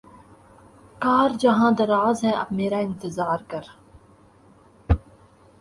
کار جہاں دراز ہے اب میرا انتظار کر